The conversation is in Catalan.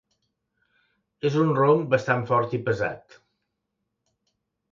És un rom bastant fort i pesat.